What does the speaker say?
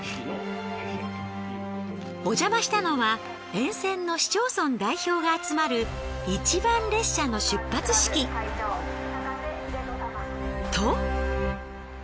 おじゃましたのは沿線の市町村代表が集まる一番列車の出発式。と。